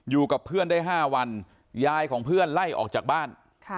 อยู่กับเพื่อนได้๕วันยายของเพื่อนไล่ออกจากบ้าน